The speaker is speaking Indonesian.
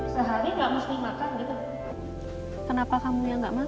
sehari nggak mesti makan gitu kenapa kamu yang nggak makan